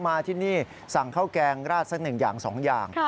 มาที่นี่สั่งข้าวแกงราดสัก๑อย่าง๒อย่าง